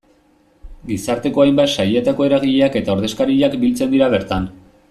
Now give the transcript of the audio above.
Gizarteko hainbat sailetako eragileak eta ordezkariak biltzen dira bertan.